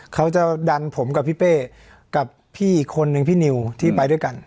เขาจะดันผมกับพี่เป้กับพี่อีกคนนึงพี่นิวที่ไปด้วยกัน